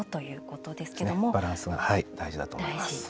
バランスが大事だと思います。